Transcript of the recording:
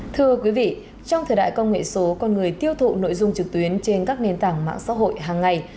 thưa quý vị trong thời đại công nghệ số con người tiêu thụ nội dung trực tuyến trên các nền tảng mạng xã hội hàng ngày